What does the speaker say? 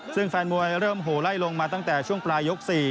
ซึ่งแฟนมวยเริ่มโหไล่ลงมาตั้งแต่ช่วงปลายยก๔